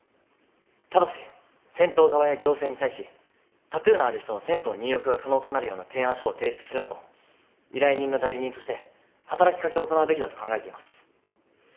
ただし銭湯側や行政に対しタトゥーのある人の銭湯入浴が可能となるような提案書を提出するなど依頼人の代理人として働き掛けを行うべきだと考えています。